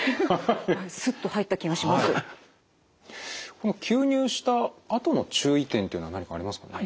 この吸入したあとの注意点っていうのは何かありますかね？